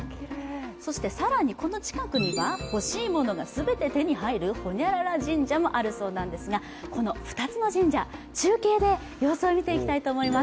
更に、この近くにはホシイモノが全て手に入る○○神社があるそうですが、この２つの神社、中継で様子を見ていきたいと思います。